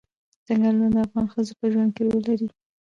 ځنګلونه د افغان ښځو په ژوند کې رول لري.